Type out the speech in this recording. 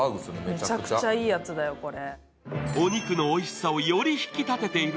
めちゃくちゃいいやつだよ、これ。